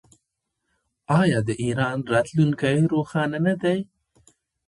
آیا د ایران راتلونکی روښانه نه دی؟